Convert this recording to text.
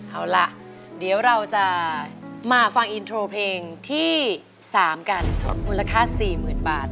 เอาล่ะเดี๋ยวเราจะมาฟังอินโทรเพลงที่๓กันมูลค่า๔๐๐๐บาท